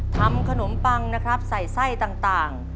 ทำขนมปังนะครับใส่ไส้ต่าง